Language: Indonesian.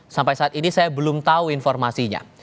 sampai saat ini saya belum tahu informasinya